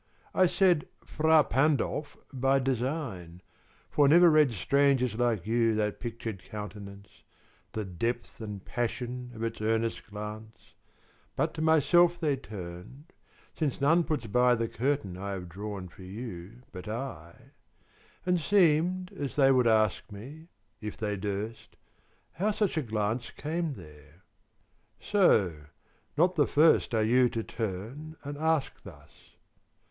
I said "Fra Pandolf" by design, for never read Strangers like you that pictured countenance, The depth and passion of its earnest glance, But to myself they turned (since none puts by the curtain I have drawn for you, but I) 10 And seemed as they would ask me, if they durst, How such a glance came there; so, not the first Are you to turn and ask thus.